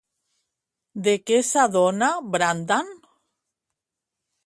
De què s'adona Brandan?